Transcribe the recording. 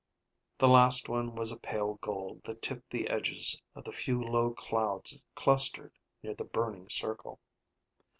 The last one was a pale gold that tipped the edges of the few low clouds that clustered near the burning circle.